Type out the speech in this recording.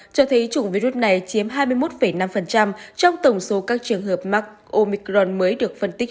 cho thấy chủng virus này chiếm hai mươi một năm trong tổng số các trường hợp mắc omicron mới được phân tích